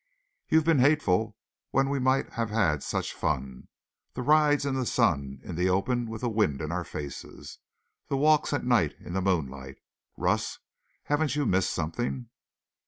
You've been hateful when we might have had such fun. The rides in the sun, in the open with the wind in our faces. The walks at night in the moonlight. Russ, haven't you missed something?"